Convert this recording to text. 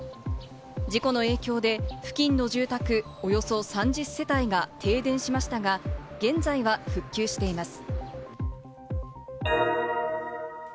事故の影響で付近の住宅、およそ３０世帯が停電しましたが、現在は復旧しています。